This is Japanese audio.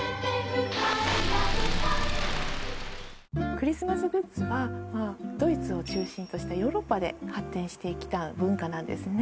クリスマスグッズはドイツを中心としたヨーロッパで発展してきた文化なんですね